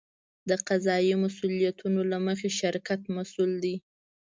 د قضایي مسوولیتونو له مخې شرکت مسوول دی.